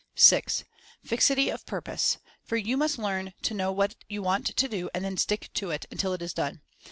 (6) Fixity of Purpose; for you must learn to know what you want to do, and then "stick to it" until it is done.